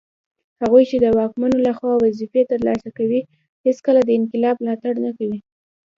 هغوی چي د واکمنو لخوا وظیفې ترلاسه کوي هیڅکله د انقلاب ملاتړ نه کوي